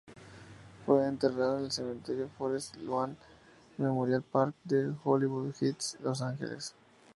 Fue enterrado en el Cementerio Forest Lawn Memorial Park de Hollywood Hills, Los Ángeles.